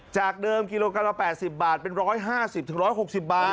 จากเดิมกิโลกรัมละ๘๐บาทเป็น๑๕๐๑๖๐บาท